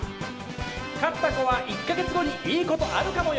勝った子は１か月後にいいことあるかもよ！